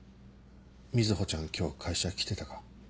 瑞穂ちゃん今日会社来てたか？